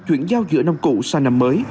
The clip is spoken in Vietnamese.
chuyển giao giữa năm cũ sang năm mới